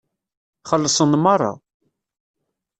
Xellṣen meṛṛa.